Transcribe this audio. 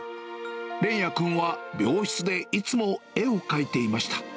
連也君は病室でいつも絵を描いていました。